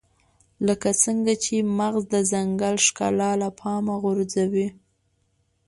لکه څنګه چې مغز د ځنګل ښکلا له پامه غورځوي.